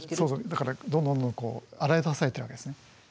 だからどんどんどんどん洗い出されているわけですね。